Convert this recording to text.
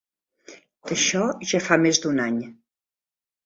D'això ja fa més d'un any.